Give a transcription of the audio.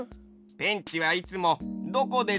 ペンチはいつもどこでつかうの？